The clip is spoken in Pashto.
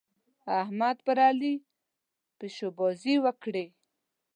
احمد پر علي پيشوبازۍ وکړې.